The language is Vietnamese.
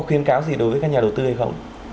khuyên cáo gì đối với các nhà đầu tư hay không